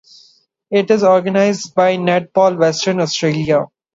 It is organised by Netball Western Australia.